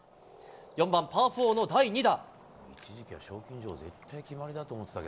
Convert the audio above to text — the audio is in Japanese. ４番、パー４の第２打。